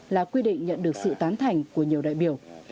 là quy định nhận được sự tán thành của nhiều đại biểu